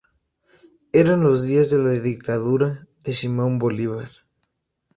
Eran los días de la dictadura de Simón Bolívar.